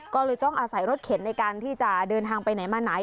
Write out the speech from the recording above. ก็เลยต้องอาศัยรถเข็นในการที่จะเดินทางไปไหนมาไหน